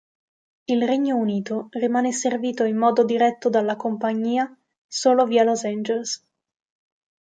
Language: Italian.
Il Regno Unito rimane servito in modo diretto dalla compagnia solo via Los Angeles.